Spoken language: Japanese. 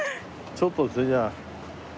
ちょっとそれじゃあ。